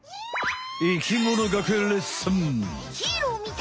生きもの学園レッスン。